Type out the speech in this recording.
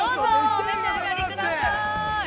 お召し上がりください。